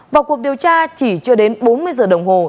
vào cuộc điều tra chỉ chưa đến bốn mươi giờ đồng hồ